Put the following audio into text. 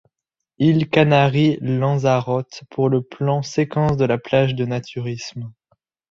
Iles Canaries Lanzarote, pour le plan séquence de la plage de naturisme.